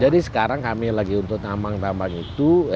jadi sekarang kami lagi untuk tambang tambang itu